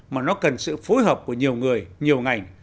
mà nó cần sự phối hợp của nhiều người nhiều ngành